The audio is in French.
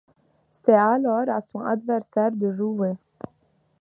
C'est alors à son adversaire de jouer.